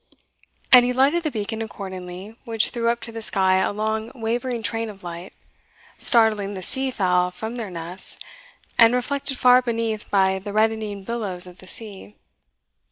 And he lighted the beacon accordingly, which threw up to the sky a long wavering train of light, startling the sea fowl from their nests, and reflected far beneath by the reddening billows of the sea.